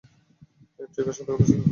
এই ট্রিগার সতর্কতার সাথে সামলাবে।